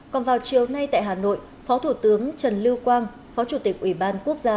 còn vào chiều nay tại hà nội phó thủ tướng trần lưu quang phó chủ tịch ủy ban quốc gia